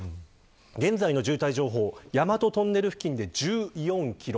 現在の渋滞情報大和トンネル付近で１４キロ。